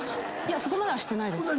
そこまではしてないです。